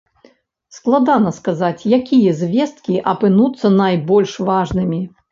Складана сказаць, якія звесткі апынуцца найбольш важнымі.